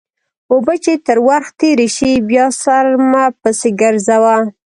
اوبه چې تر ورخ تېرې شي؛ بیا سر مه پسې ګرځوه.